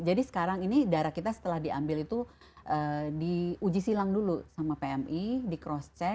jadi sekarang ini darah kita setelah diambil itu diuji silang dulu sama pmi di cross check